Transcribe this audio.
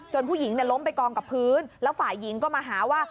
ผู้หญิงล้มไปกองกับพื้นแล้วฝ่ายหญิงก็มาหาว่า